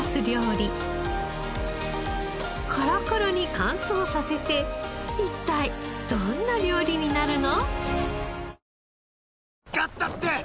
カラカラに乾燥させて一体どんな料理になるの？